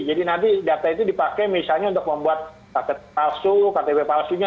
jadi nanti data itu dipakai misalnya untuk membuat paket palsu ktp palsunya